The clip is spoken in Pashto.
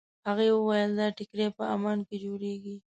هغې وویل دا ټیکري په عمان کې جوړېږي.